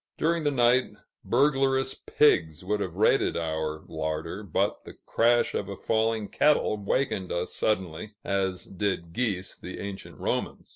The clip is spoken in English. During the night, burglarious pigs would have raided our larder, but the crash of a falling kettle wakened us suddenly, as did geese the ancient Romans.